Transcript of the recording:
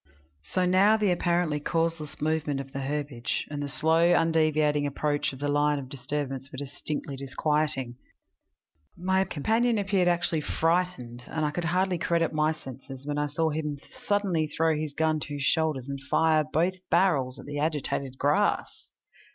So now the apparently causeless movement of the herbage, and the slow, undeviating approach of the line of disturbance were distinctly disquieting. My companion appeared actually frightened, and I could hardly credit my senses when I saw him suddenly throw his gun to his shoulders and fire both barrels at the agitated grass!